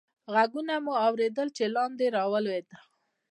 ږغونه مو اورېدل، چې لاندې رالوېدل.